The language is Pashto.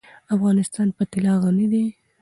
افغانستان په طلا غني دی.